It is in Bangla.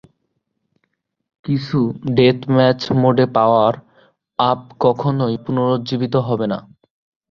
কিছু ডেথম্যাচ মোডে পাওয়ার-আপ কখনোই পুনরুজ্জীবিত হবে না।